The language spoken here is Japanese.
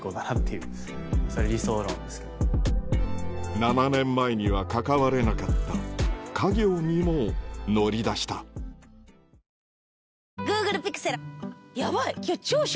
７年前には関われなかった家業にも乗り出したあやみちゃん。